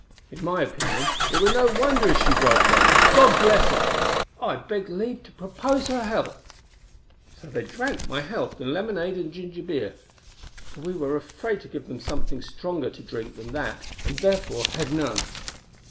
In my opinion, it were no wonder as she broke down, God bless her! I beg leave to propose her health.' So they drank my health in lemonade and ginger beer; for we were afraid to give some of them stronger drink than that, and therefore had none.